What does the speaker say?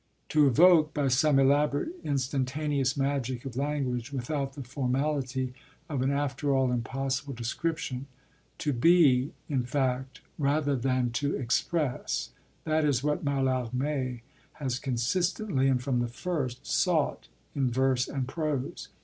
To evoke, by some elaborate, instantaneous magic of language, without the formality of an after all impossible description; to be, in fact, rather than to express; that is what Mallarmé has consistently, and from the first, sought in verse and prose.